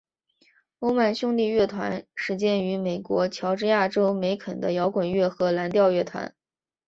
欧曼兄弟乐团始建于美国乔治亚州梅肯的摇滚乐和蓝调乐团。